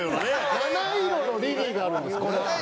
山内：七色のリリーがあるんです。